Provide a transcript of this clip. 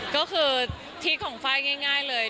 ก็คือทิศของไฟล์ง่ายเลย